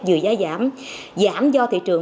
vì giá giảm do thị trường